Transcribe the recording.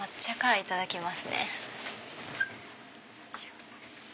いただきます。